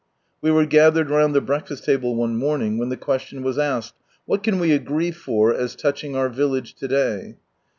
We were gathered round the breakfast table one morning when the question was asked, " What can we agree for as touching our village to day?"